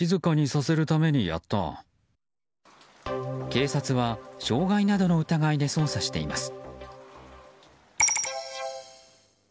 警察は傷害などの疑いで捜査しています。